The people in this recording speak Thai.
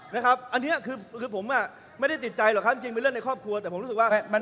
หรือยุ่งเรื่องชาวบ้านหรือยุ่งเรื่องครอบครัวคนอื่น